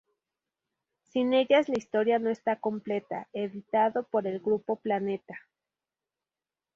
Sin ellas la historia no está completa" editado por el Grupo Planeta.